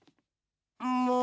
もう。